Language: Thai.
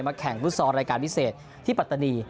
แข่งฟุตซอลรายการพิเศษที่ปัตตานี